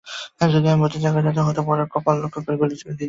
যদি আমি ওদের জায়গায় থাকতাম, হয়তো বরের কপাল লক্ষ্য করে গুলি করে দিতাম।